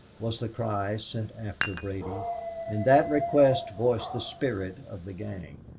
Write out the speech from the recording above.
was the cry sent after Brady, and that request voiced the spirit of the gang.